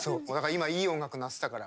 今いい音楽鳴ってたから。